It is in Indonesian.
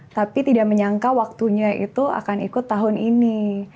tapi tidak menyangka waktunya itu akan ikut tahun ini